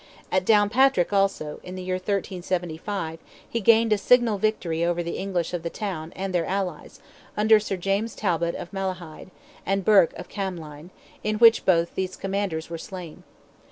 At Downpatrick also, in the year 1375, he gained a signal victory over the English of the town and their allies, under Sir James Talbot of Malahide, and Burke of Camline, in which both these commanders were slain.